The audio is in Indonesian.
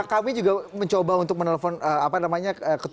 kami juga mencoba untuk menelpon ketua pbnu dan juga segi segi